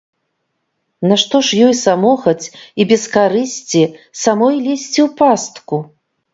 Нашто ж ёй самохаць і без карысці самой лезці ў пастку?